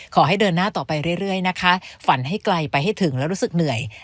ขอให้เดินหน้าต่อไปเรื่อยนะคะฝันให้ไกลไปให้ถึงแล้วรู้สึกเหนื่อย